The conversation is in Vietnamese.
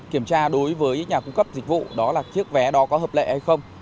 kiểm tra đối với nhà cung cấp dịch vụ đó là chiếc vé đó có hợp lệ hay không